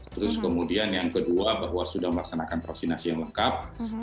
terus kemudian yang kedua bahwa sudah melaksanakan vaksinasi yang lengkap